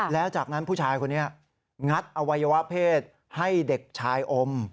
แล้วจากนั้นผู้ชายคนนี้งัดอวัยวะเพศให้เด็กชายอม